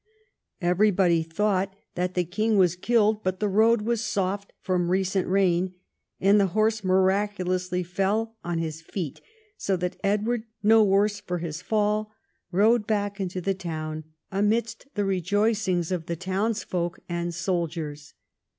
Every body thoixght that the king was killed, but the road was soft from recent rain, and the horse miracu lously fell on his feet, so that Edward, no worse for his fall, rode back into the town, amidst tlie rejoicings of the townsfolk and soldiers.